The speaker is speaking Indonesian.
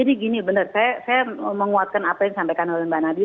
iya jadi gini benar